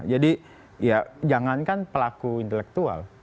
jadi ya jangankan pelaku intelektual